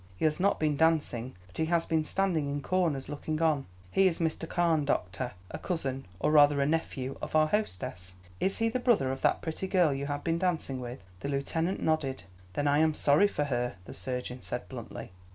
He has not been dancing, but has been standing in corners looking on." "He is Mr. Carne, doctor; a cousin, or rather a nephew, of our hostess." "Is he the brother of that pretty girl you have been dancing with?" The lieutenant nodded. "Then I am sorry for her," the surgeon said, bluntly.